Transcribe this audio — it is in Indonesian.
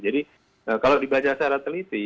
jadi kalau dibaca secara teliti